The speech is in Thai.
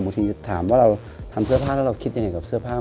ถามว่าเราทำเสื้อผ้าแล้วเราคิดยังไงกับเสื้อผ้า